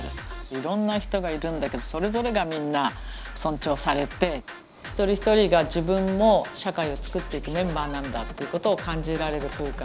いろんな人がいるんだけどそれぞれがみんな尊重されて一人一人が自分も社会をつくっていくメンバーなんだっていうことを感じられる空間。